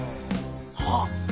あっ！